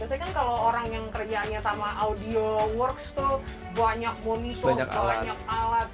biasanya kan kalau orang yang kerjaannya sama audio works tuh banyak monitor banyak alat